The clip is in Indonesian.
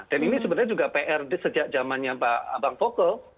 dan ini sebenarnya juga pr sejak zamannya bang fokl